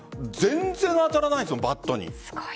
全然当たらないです、バットに。